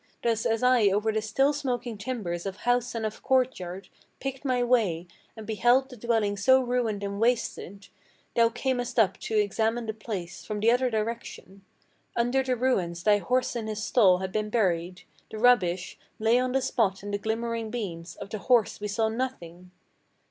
Thus as I over the still smoking timbers of house and of court yard Picked my way, and beheld the dwelling so ruined and wasted, Thou camest up to examine the place, from the other direction. Under the ruins thy horse in his stall had been buried; the rubbish Lay on the spot and the glimmering beams; of the horse we saw nothing.